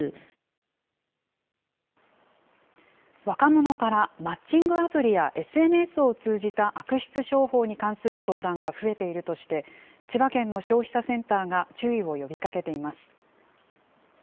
若者からマッチングアプリやＳＮＳを通じた悪質商法に関する相談が増えているとして、千葉県の消費者センターが注意を呼びかけています。